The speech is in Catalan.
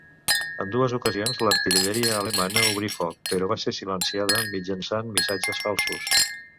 En dues ocasions, l'artilleria alemanya obrí foc, però va ser silenciada mitjançant missatges falsos.